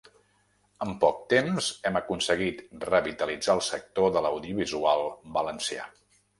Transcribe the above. En poc temps hem aconseguit revitalitzar el sector de l’audiovisual valencià.